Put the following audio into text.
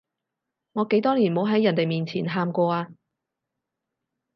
我幾多年冇喺人哋面前喊過啊